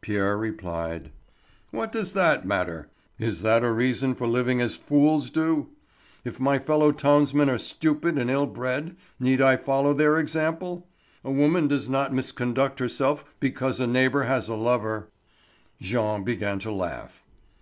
Pierre replied: "What does that matter? Is that a reason for living as fools do? If my fellow townsmen are stupid and ill bred, need I follow their example? A woman does not misconduct herself because her neighbour has a lover." Jean began to laugh.